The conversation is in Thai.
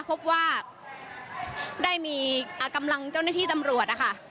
พบว่าได้มีกำลังเจ้าหน้าที่ตำรวจนะคะ